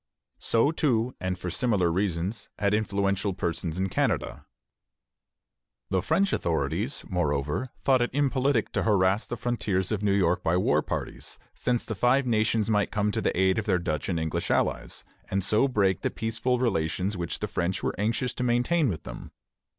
So, too, and for similar reasons, had influential persons in Canada. The French authorities, moreover, thought it impolitic to harass the frontiers of New York by war parties, since the Five Nations might come to the aid of their Dutch and English allies, and so break the peaceful relations which the French were anxious to maintain with them.